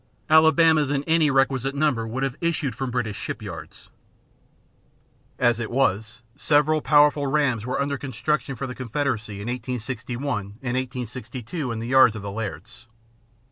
Alabamas in any requisite number would have issued from British shipyards. As it was, several powerful rams were under construction for the Confederacy in 1861 and 1862 in the yards of the Lairds.